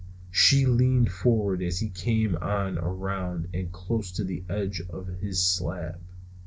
She leaned forward as he came on around and close to the edge of his slab.